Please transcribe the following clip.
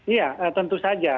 iya tentu saja